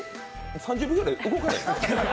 ３０秒ぐらい動かないの？